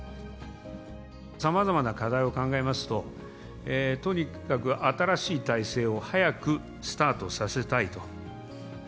さまざまな課題を考えますと、とにかく新しい体制を早くスタートさせたいと。